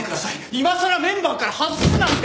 今さらメンバーから外すなんて。